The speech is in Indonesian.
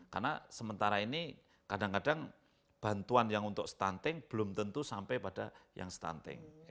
karena sementara ini kadang kadang bantuan yang untuk stunting belum tentu sampai pada yang stunting